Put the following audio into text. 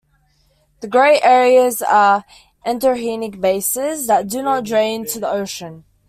The grey areas are endorheic basins that do not drain to the ocean.